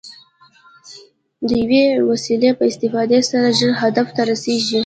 د یوې وسیلې په استفادې سره ژر هدف ته رسېږي.